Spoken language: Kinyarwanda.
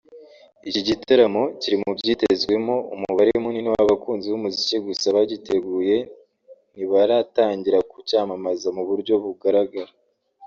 Iki gitaramo kiri mu byitezwemo umubare munini w’abakunzi b’umuziki gusa abagiteguye ntibaratangira kucyamamaza mu buryo bugaragara